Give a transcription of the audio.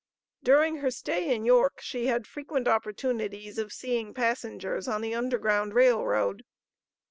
During her stay in York she had frequent opportunities of seeing passengers on the Underground Rail Road.